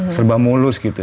serba mulus gitu